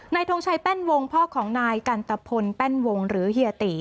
ทงชัยแป้นวงพ่อของนายกันตะพลแป้นวงหรือเฮียตี